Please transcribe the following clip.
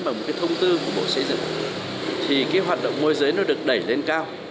bằng cái thông tư của bộ xây dựng thì cái hoạt động môi giới nó được đẩy lên cao